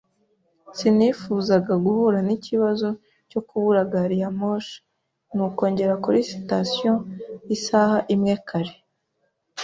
Sinifuzaga guhura n'ikibazo cyo kubura gari ya moshi, nuko ngera kuri sitasiyo isaha imwe kare.